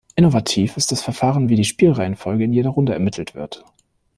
Innovativ ist das Verfahren, wie die Spielreihenfolge in jeder Runde ermittelt wird.